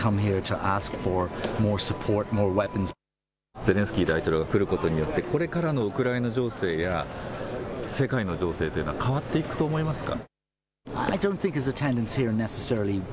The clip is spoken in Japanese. ゼレンスキー大統領が来ることによって、これからのウクライナ情勢や世界の情勢というのは変わっていくと思いますか。